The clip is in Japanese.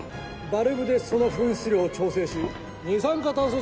バルブでその噴出量を調整し二酸化炭素